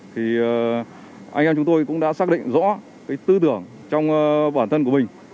thì anh em chúng tôi cũng đã xác định rõ cái tư tưởng trong bản thân của mình